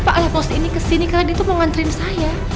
pak ayah pos ini ke sini karena dia mau ngantriin saya